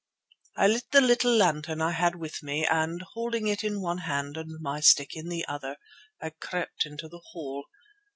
"I lit the little lantern I had with me and, holding it in one hand and my stick in the other, I crept into the hole.